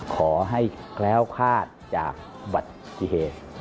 ขอให้แคล้วคาดจากบัตรที่เหตุ